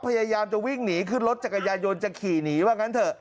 พยายามจะวิ่งหนีขึ้นรถจักรยายนจะขี่หนีว่างั้นเถอะ